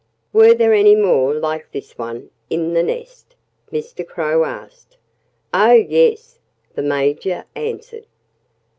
"Were there any more like this one in the nest?" Mr. Crow asked. "Oh, yes!" the Major answered.